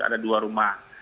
ada dua rumah